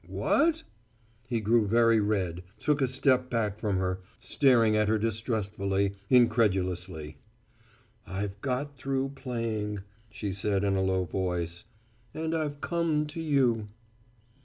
"What?" He grew very red, took a step back from her, staring at her distrustfully, incredulously. "I've got through playing", she said in a low voice. "And I've come to you."